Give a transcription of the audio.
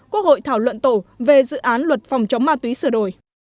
quốc hội thảo luận tổ về dự án luật phòng chống ma túy sửa đổi